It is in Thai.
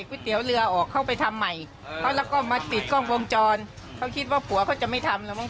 เขาก็อยู่นี่